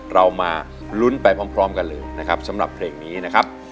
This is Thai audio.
เรามาลุ้นไปพร้อมกันเลยนะครับสำหรับเพลงนี้นะครับ